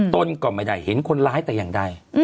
ตนก็ไม่ได้เห็นคนร้ายแต่อย่างใด